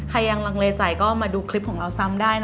ยังลังเลใจก็มาดูคลิปของเราซ้ำได้นะ